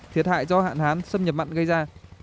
thiệt hại do hạn hán xâm nhập mặn gây ra